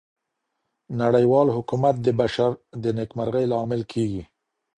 نړیوال حکومت د بشر د نیکمرغۍ لامل کیږي.